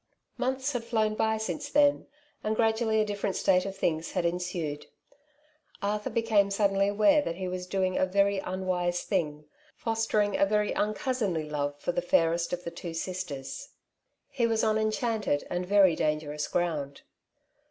Months had flown by since then, and gradually a different state of things had ensued. Arthur be came suddenly aware that he was doing a very un wise thing — fostering a very uncousinly love for the The Home of Wealth. 23 fairest of the two sisters. He was on enchanted and very dangerous ground.